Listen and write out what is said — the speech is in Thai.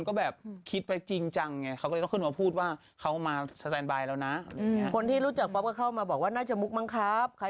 แต่ก็ไม่ใช่คิวเขาไงเขาบอกว่าไม่ใช่คิวเขา